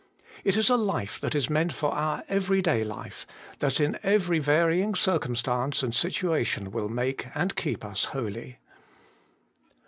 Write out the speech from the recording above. It is a life that is meant for our every day life, that in every varying circumstance and situa tion will make and keep us holy.